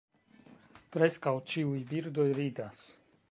Preskaŭ ĉiuj birdoj ridas.